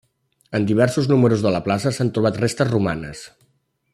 En diversos números de la plaça s'han trobat restes romanes.